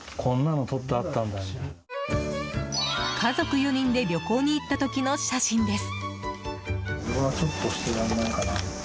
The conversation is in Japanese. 家族４人で旅行に行った時の写真です。